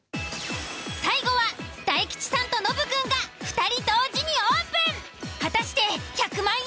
最後は大吉さんとノブくんが２人同時にオープン。